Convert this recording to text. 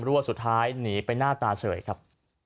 รั่วสุดท้ายหนีไปหน้าตาเฉยครับ